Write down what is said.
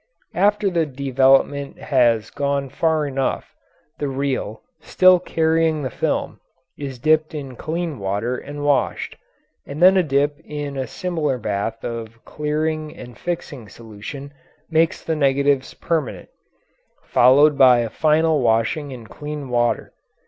After the development has gone far enough, the reel, still carrying the film, is dipped in clean water and washed, and then a dip in a similar bath of clearing and fixing solution makes the negatives permanent followed by a final washing in clean water.